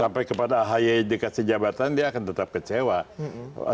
sampai kepada ahy dikasih jabatan dia akan tetap kecewa